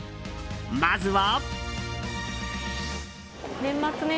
まずは。